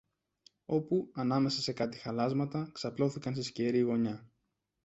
Όπου, ανάμεσα σε κάτι χαλάσματα, ξαπλώθηκαν σε σκιερή γωνιά